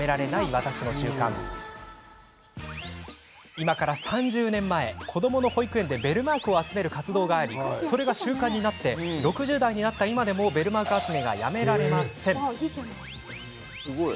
今から３０年前子どもの保育園でベルマークを集める活動がありそれが習慣になって６０代になった今でもベルマーク集めがやめられません。